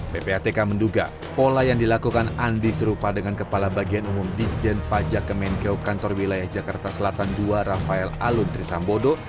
ppatk menduga pola yang dilakukan andi serupa dengan kepala bagian umum ditjen pajak kemenkeu kantor wilayah jakarta selatan ii rafael alun trisambodo